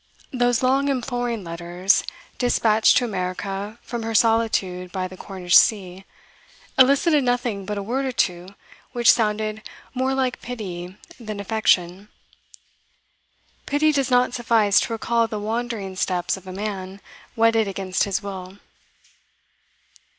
Those long imploring letters, despatched to America from her solitude by the Cornish sea, elicited nothing but a word or two which sounded more like pity than affection. Pity does not suffice to recall the wandering steps of a man wedded against his will.